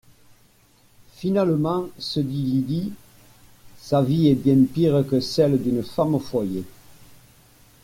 Finalement, se dit Lydie, sa vie est bien pire que celle d’une femme au foyer